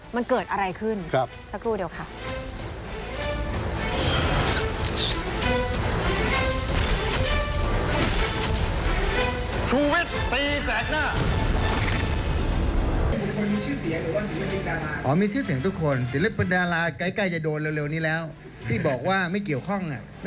มันเกิดอะไรขึ้นสักครู่เดียวค่ะ